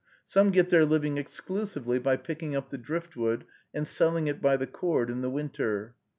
Some get their living exclusively by picking up the driftwood and selling it by the cord in the winter.